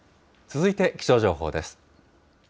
続いて気象情報です。